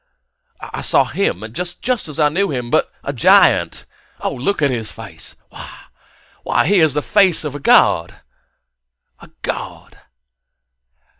I saw him just as I knew him but a giant! Look at his face! Why, he has the face of of a god!